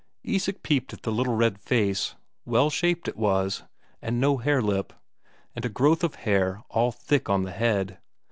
Isak peeped at the little red face; well shaped it was, and no hare lip, and a growth of hair all thick on the head.